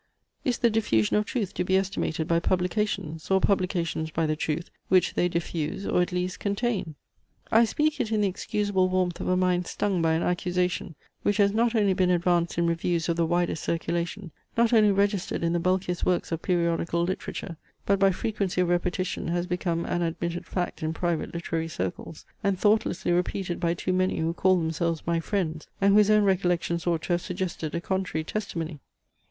Is the diffusion of truth to be estimated by publications; or publications by the truth, which they diffuse or at least contain? I speak it in the excusable warmth of a mind stung by an accusation, which has not only been advanced in reviews of the widest circulation, not only registered in the bulkiest works of periodical literature, but by frequency of repetition has become an admitted fact in private literary circles, and thoughtlessly repeated by too many who call themselves my friends, and whose own recollections ought to have suggested a contrary testimony.